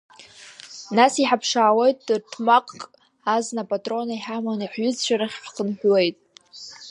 Нас иҳаԥшаауеит рҭмаҟк азна апатрона, иҳаманы ҳҩызцәа рахь ҳхынҳәуеит.